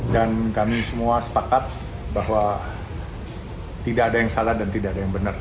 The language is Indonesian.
dan kami semua sepakat bahwa tidak ada yang salah dan tidak ada yang benar